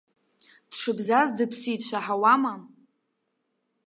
Дшыбзаз дыԥсит, шәаҳауама?